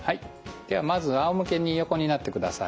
ではまずあおむけに横になってください。